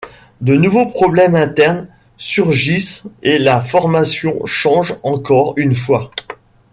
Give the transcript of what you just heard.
De nouveaux problèmes internes surgissent et la formation change encor une fois.